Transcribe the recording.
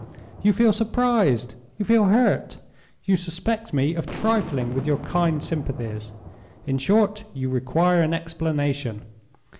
You feel surprised—you feel hurt—you suspect me of trifling with your kind sympathies—in short, you require an explanation.